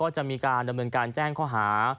จะมีรำนการแจ้งเข้าหา